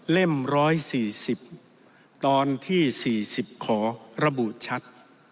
๑๔๐ตอนที่๔๐ขอระบุชัด